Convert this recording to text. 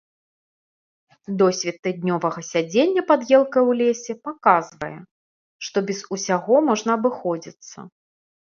Досвед тыднёвага сядзення пад елкай у лесе паказвае, што без усяго можна абыходзіцца.